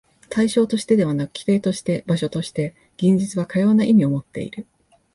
対象としてでなく、基底として、場所として、現実はかような意味をもっている。